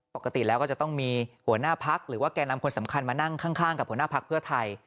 ปกติแล้วก็จะต้องมีหัวหน้าพักหรือว่าแก่นำคนสำคัญมานั่งข้างกับหัวหน้าพักเพื่อไทย